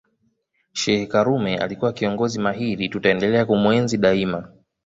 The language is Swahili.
Sheikh karume alikuwa kiongozi mahiri tutaendelea kumuenzi daima